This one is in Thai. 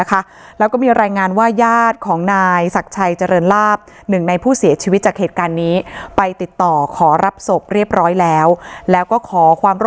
นะคะแล้วก็มีรายงานว่าญาติของนายศักดิ์ชัยเจริญลาบหนึ่งในผู้เสียชีวิตจากเหตุการณ์นี้ไปติดต่อขอรับศพเรียบร้อยแล้วแล้วก็ขอความร่วม